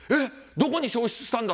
どこに消失したんだ？